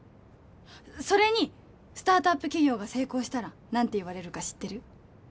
それにスタートアップ企業が成功したら何て言われるか知ってる？